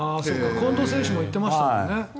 近藤選手も言ってましたよね。